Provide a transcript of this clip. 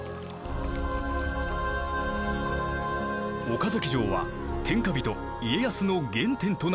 岡崎城は天下人家康の原点となった城。